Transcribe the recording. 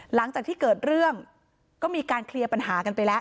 หลังจากที่เกิดเรื่องก็มีการเคลียร์ปัญหากันไปแล้ว